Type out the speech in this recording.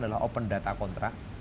adalah open data kontrak